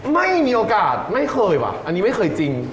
ไม่มีโอกาสไม่เคยว่ะอันนี้ไม่เคยจริง